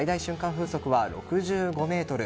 風速は６５メートル。